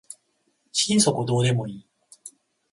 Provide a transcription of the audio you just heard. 心底どうでもいい